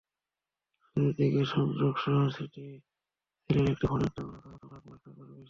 শুরুর দিকে সংযোগসহ সিটিসেলের একটি ফোনের দাম রাখা হতো লাখ টাকার বেশি।